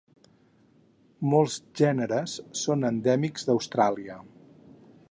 Molts gèneres són endèmics d'Austràlia.